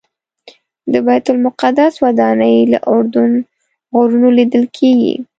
د بیت المقدس ودانۍ له اردن غرونو لیدل کېږي.